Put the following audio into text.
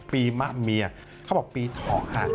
มะเมียเขาบอกปี๒อ่ะ